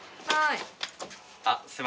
はい。